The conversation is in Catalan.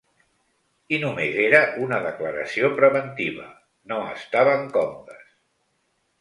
I només era una declaració preventiva: no estaven còmodes.